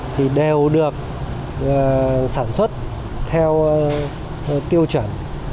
thì đều được sản xuất theo tiêu chuẩn